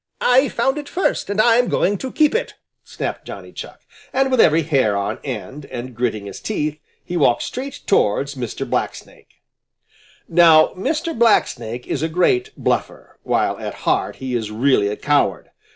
"I found it first and I'm going to keep it!" snapped Johnny Chuck, and with every hair on end and gritting his teeth, he walked straight towards Mr. Blacksnake. Now Mr. Blacksnake is a great bluffer, while at heart he is really a coward.